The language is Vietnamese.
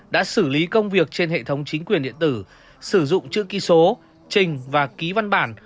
đã xử lý công việc trên hệ thống chính quyền điện tử sử dụng chữ ký số trình và ký văn bản